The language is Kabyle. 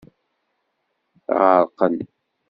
Ɣerqen.